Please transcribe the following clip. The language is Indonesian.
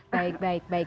baik baik baik